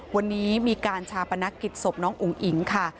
วันนี้มีการชาปนักกิจศพน้องอุ๋งอิ๋งค่ะ